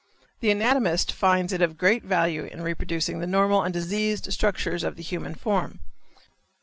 The anatomist finds it of great value in reproducing the normal and diseased structures of the human form.